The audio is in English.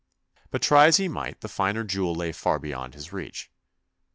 But try as he might the finer jewel lay far beyond his reach.